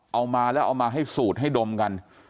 เอามาแล้วเอามาให้สูตรให้ดมกัน